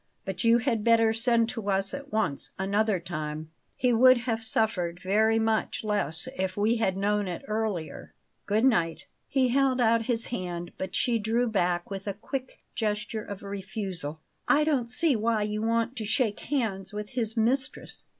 But you had better send to us at once, another time. He would have suffered very much less if we had known of it earlier. Good night!" He held out his hand, but she drew back with a quick gesture of refusal. "I don't see why you want to shake hands with his mistress."